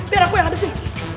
tiada aku yang ngadepin